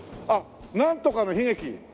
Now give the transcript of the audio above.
あっなんとかの悲劇。